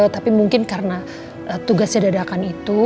tapi mungkin karena tugasnya dadakan itu